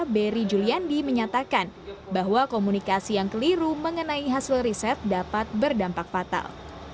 beri juliandi menyatakan bahwa komunikasi yang keliru mengenai hasil riset dapat berdampak fatal